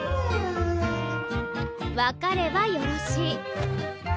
わかればよろしい。